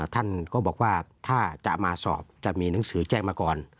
ท่านก็บอกว่าถ้าจะมาสอบจะมีหนังสือแจ้งมาก่อน